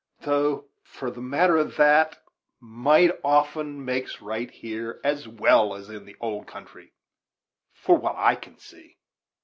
Though, for the matter of that, might often makes right here, as well as in the old country, for what I can see."